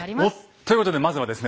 ということでまずはですね